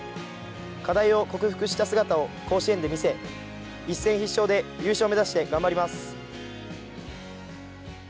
課題を克服した姿を甲子園で見せ一戦必勝で優勝目指して頑張ります。